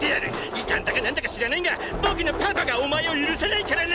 異端だか何だか知らないが僕のパパがお前を許さないからな！！